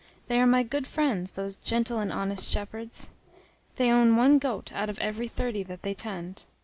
They are my good friends, those gentle and honest shepherds. They own one goat out of every thirty that they tend.